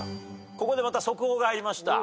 ここでまた速報が入りました。